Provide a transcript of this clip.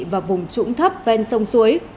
và vùng trũng thấp ven sông suối